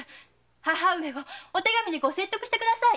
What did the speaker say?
母上をお手紙でご説得してください。